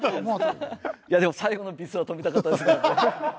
いやでも最後のビスは留めたかったですけどね。